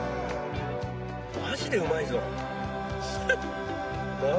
マジでうまいぞ！だろう？